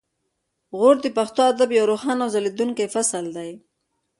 غور د پښتو ادب یو روښانه او ځلیدونکی فصل دی